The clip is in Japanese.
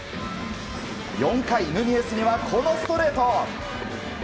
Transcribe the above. ４回、ヌニエスにはこのストレート。